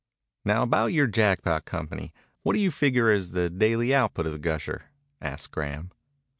"Now about your Jackpot Company. What do you figure as the daily output of the gusher?" asked Graham.